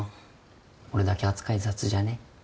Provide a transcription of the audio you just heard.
俺だけ扱い雑じゃね？